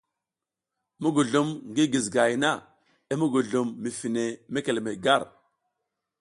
Muguzlum ngi gizigahay na i muguzlum mi fine mekelemey gar.